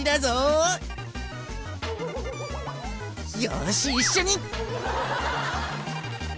よーし一緒に。